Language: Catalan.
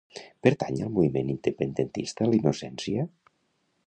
Pertany al moviment independentista l'Inocencia?